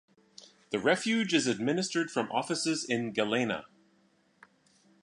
The refuge is administered from offices in Galena.